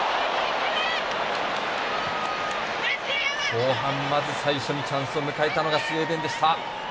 後半、まず最初にチャンスを迎えたのはスウェーデンでした。